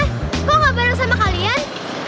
gue gak bareng sama kalian